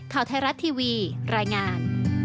ข่าวไทยรัฐทีวีรายงาน